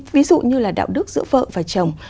ví dụ như là đạo đức giữa vợ và chồng